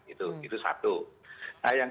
itu satu nah yang